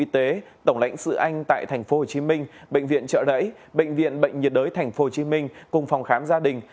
tổng lãnh sự anh tại tp hcm bệnh viện trợ đẩy bệnh viện bệnh nhiệt đới tp hcm cùng phòng khám gia đình